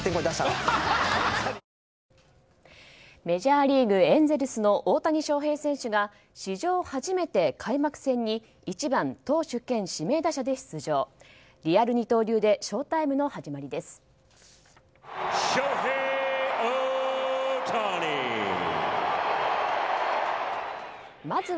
メジャーリーグエンゼルスの大谷翔平選手が史上初めて開幕戦に１番、投手兼指名打者で出場。